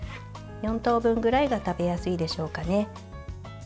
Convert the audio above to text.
４等分ぐらいが食べやすいでしょうかね。